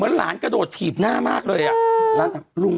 เป็นการกระตุ้นการไหลเวียนของเลือด